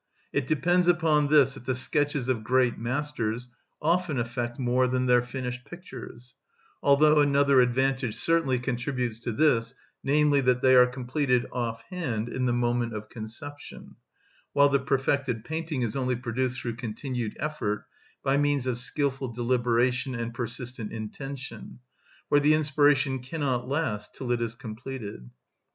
It depends upon this that the sketches of great masters often effect more than their finished pictures; although another advantage certainly contributes to this, namely, that they are completed offhand in the moment of conception; while the perfected painting is only produced through continued effort, by means of skilful deliberation and persistent intention, for the inspiration cannot last till it is completed.